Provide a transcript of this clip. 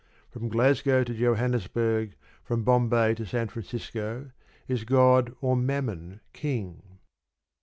From Glasgow to Johannesburg, from Bombay to San Francisco is God or Mammon king?